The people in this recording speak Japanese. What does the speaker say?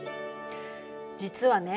実はね